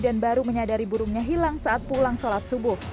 dan baru menyadari burungnya hilang saat pulang sholat subuh